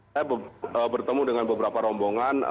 saya bertemu dengan beberapa rombongan